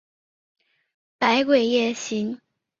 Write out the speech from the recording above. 百鬼夜行。